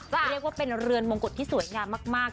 ก็เรียกว่าเป็นเรือนมงกุฎที่สวยงามมาก